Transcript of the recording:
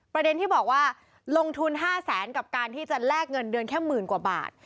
ประเด็นที่บอกว่าลงทุน๕แสนกับการที่จะแลกเงินเดือนแค่หมื่นกว่าบาท